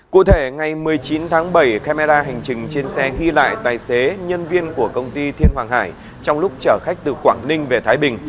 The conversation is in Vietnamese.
cụ thể ngày một mươi chín tháng bảy camera hành trình trên xe ghi lại tài xế nhân viên của công ty thiên hoàng hải trong lúc chở khách từ quảng ninh về thái bình